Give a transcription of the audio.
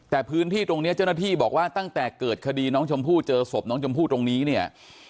แต่พื้นที่ตรงนี้เจ้าหน้าที่บอกว่าตั้งแต่เกิดคดีน้องชมพู่เจอศพน้องชมพู่ตรงนี้เนี่ย